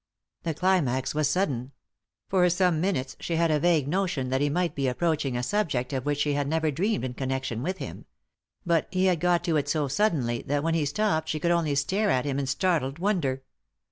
The climax was sudden. For some minutes she had had a vague notion that he might be approaching a subject of which she had never dreamed in connection with him ; but he had got to it so suddenly that when he stopped she could only stare at him in startled wonder.